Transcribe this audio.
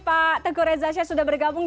pak teguh reza syah sudah bergabung